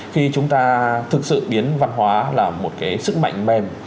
khi chúng ta thực sự biến văn hóa là một cái sức mạnh mềm